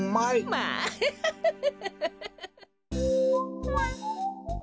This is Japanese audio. まあフフフフ。